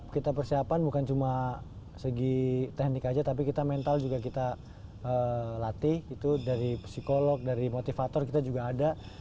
kita persiapan bukan cuma segi teknik aja tapi kita mental juga kita latih itu dari psikolog dari motivator kita juga ada